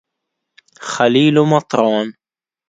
خليل مطران